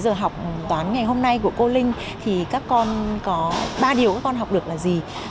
kết thúc cái giờ học toán ngày hôm nay của cô linh thì các con có ba điều các con học được là gì